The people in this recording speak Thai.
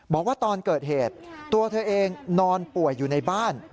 บอกว่าตอนเกิดเหตุตัวเธอเองนอนป่วยอยู่ในบ้าน